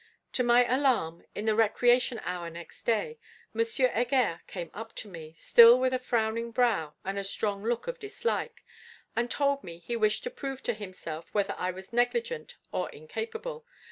To my alarm, in the recreation hour next day, M. Heger came up to me, still with a frowning brow and a strong look of dislike, and told me he wished to prove to himself whether I was negligent or incapable.